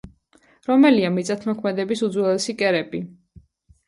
რომელია მიწადმოქმედების უძველესი კერები?